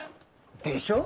でしょ？